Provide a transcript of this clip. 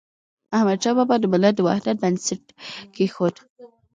احمدشاه بابا د ملت د وحدت بنسټ کيښود.